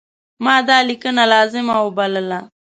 ما دا لیکنه لازمه وبلله.